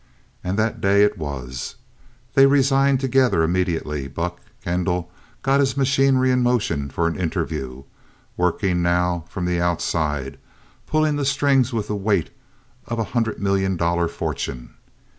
And that day it was. They resigned, together. Immediately, Buck Kendall got the machinery in motion for an interview, working now from the outside, pulling the strings with the weight of a hundred million dollar fortune.